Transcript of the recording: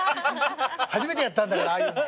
初めてやったんだからああいうの。